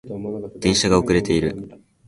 電車が遅れている